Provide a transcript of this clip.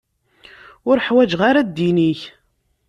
Ur ḥwaǧeɣ ara ddin-ik.